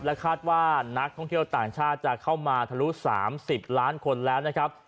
คาดว่านักท่องเที่ยวต่างชาติจะเข้ามาทะลุ๓๐ล้านคนแล้วนะครับ